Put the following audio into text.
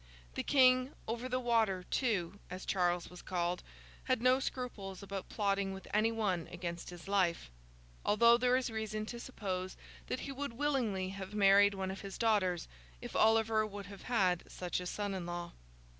The 'King over the water,' too, as Charles was called, had no scruples about plotting with any one against his life; although there is reason to suppose that he would willingly have married one of his daughters, if Oliver would have had such a son in law.